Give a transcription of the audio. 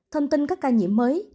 thông tin các ca nhiễm mới